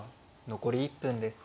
残り１分です。